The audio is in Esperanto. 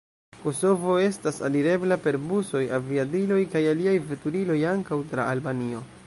Kosovo estas alirebla per busoj, aviadiloj kaj aliaj veturiloj, ankaŭ tra Albanio.